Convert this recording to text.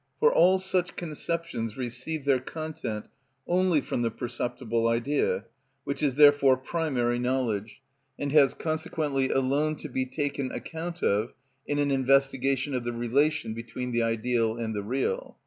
For all such conceptions receive their content only from the perceptible idea, which is therefore primary knowledge, and has consequently alone to be taken account of in an investigation of the relation between the ideal and the real.